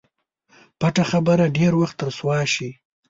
پټه خبره ډېر وخت رسوا شي.